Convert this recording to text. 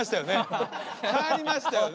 変わりましたよね。